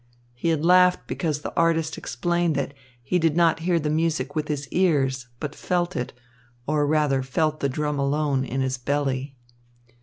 He had laughed because the artist explained that he did not hear the music with his ears, but felt it, or rather felt the drum alone, in his belly.